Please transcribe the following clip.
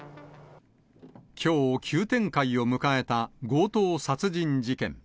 きょう、急展開を迎えた強盗殺人事件。